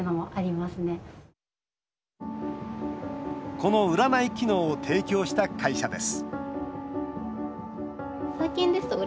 この占い機能を提供した会社です